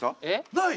ない。